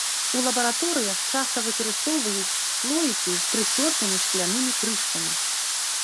У лабараторыях часта выкарыстоўваюць слоікі з прыцёртымі шклянымі крышкамі.